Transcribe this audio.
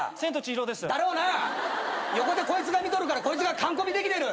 横でこいつが見とるからこいつが完コピできてる。